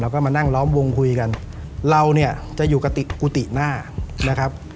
ก็มานั่งล้อมวงคุยกันเราเนี่ยจะอยู่กับกุฏิหน้านะครับ